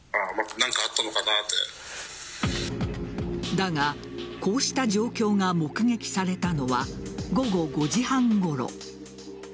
だがこうした状況が目撃されたのは午後５時半ごろ。